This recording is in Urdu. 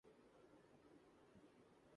حسینی نے عباسی اور گول کیپر عمران بٹ